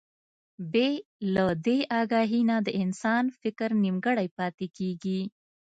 بې له دې اګاهي نه د انسان فکر نيمګړی پاتې کېږي.